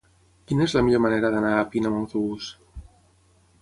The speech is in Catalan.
Quina és la millor manera d'anar a Pina amb autobús?